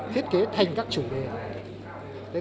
thiết kế thành các chủ đề